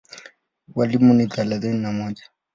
Walimu ni thelathini na mmoja.